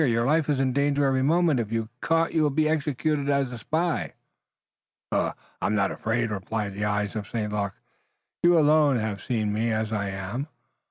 Your life is in danger every moment. If caught you will be executed as a spy." "I'm not afraid," replied the eyes of St. Luc. "You alone have seen me as I am."